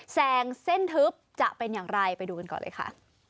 แซงเส้นทึบจะเป็นอย่างไรไปดูกันก่อนเลยค่ะ